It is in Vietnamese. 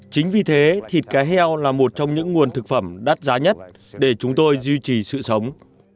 chính vì thế thịt cá heo là một trong những nguồn thực phẩm đắt giá nhất để chúng tôi duy trì sự sống